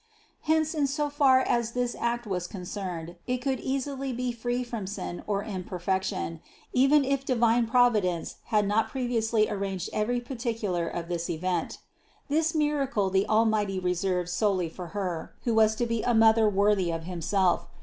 Hence in so far as this act was concerned it could easily be free from sin or imper fection, even if divine Providence had not previously arranged every particular of this event. This miracle the Almighty reserved solely for Her, who was to be a Mother worthy of Himself.